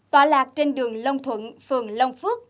tọa lạc trên đường long thuận phường long phước